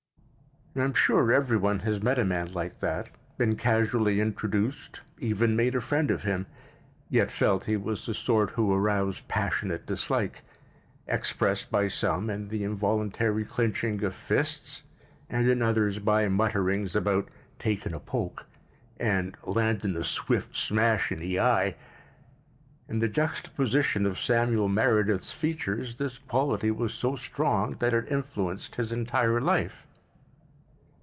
I'm sure every one has met a man like that, been casually introduced, even made a friend of him, yet felt he was the sort who aroused passionate dislike—expressed by some in the involuntary clinching of fists, and in others by mutterings about "takin' a poke" and "landin' a swift smash in ee eye." In the juxtaposition of Samuel Meredith's features this quality was so strong that it influenced his entire life.